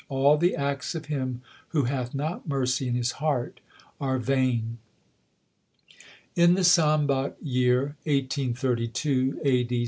All the acts of him who hath not mercy in his heart are vain/ In the Sambat year 1832 (A. D.